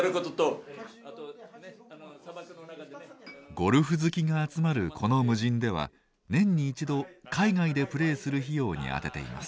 ゴルフ好きが集まるこの無尽では年に一度海外でプレーする費用に充てています。